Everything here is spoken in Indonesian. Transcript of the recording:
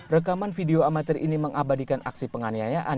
rekaman video amatir ini mengabadikan aksi penganiayaan